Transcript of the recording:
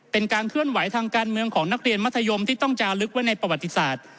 เป็นการเคลื่อนไหวทางการเมืองของนักเรียนมัธยมที่ต้องจาลึกไว้ในประวัติศาสตร์